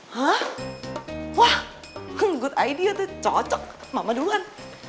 hah wah good idea tuh cocok mama duluan